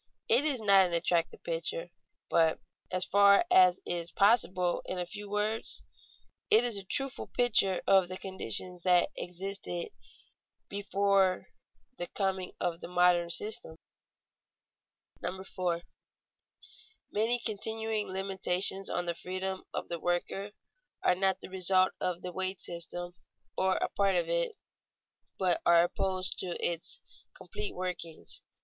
It is not an attractive picture, but, as far as is possible in a few words, it is a truthful picture of the conditions that existed before the coming of the modern system. [Sidenote: The wage system not the main cause of present evils] 4. _Many continuing limitations on the freedom of the worker are not the results of the wage system or a part of it, but are opposed to its complete workings.